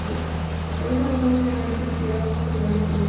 Por esta razón, es generalmente considerado bajo soberanía rusa.